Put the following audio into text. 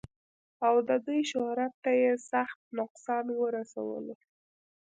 او د دوي شهرت تۀ ئې سخت نقصان اورسولو